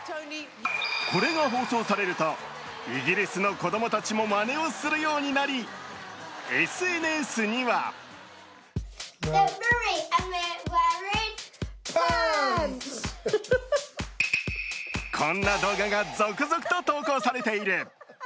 これが放送されるとイギリスの子供たちもまねをするようになりＳＮＳにはこんな動画が続々と投稿されている。